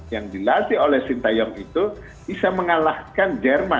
yang dilatih oleh sintayong itu bisa mengalahkan jerman